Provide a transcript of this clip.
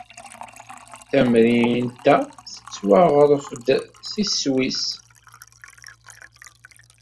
Tamrint-a tettwaɣref-d deg Sswis.